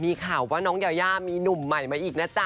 มีข่าวว่าน้องยายามีหนุ่มใหม่มาอีกนะจ๊ะ